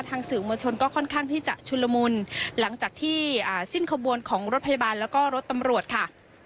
สื่อมวลชนก็ค่อนข้างที่จะชุนละมุนหลังจากที่สิ้นขบวนของรถพยาบาลแล้วก็รถตำรวจค่ะ